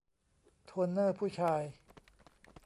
โทนเนอร์ผู้ชาย